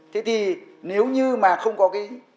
thế thì nếu như mà không có cái